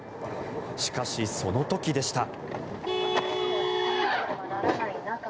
しかし、その時でした。